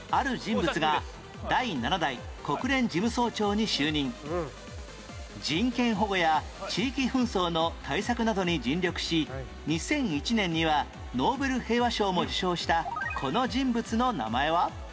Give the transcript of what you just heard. ２６年前人権保護や地域紛争の対策などに尽力し２００１年にはノーベル平和賞も受賞したこの人物の名前は？